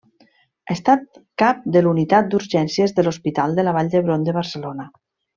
Ha estat cap de la Unitat d'Urgències de l'Hospital de la Vall d'Hebron de Barcelona.